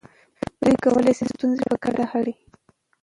دوی کولی سي ستونزې په ګډه حل کړي.